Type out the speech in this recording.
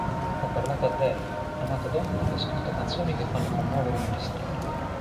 Ho parlato a dèi, amato donne e scritto canzoni che fanno commuovere i menestrelli.